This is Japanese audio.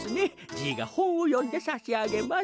じいがほんをよんでさしあげます。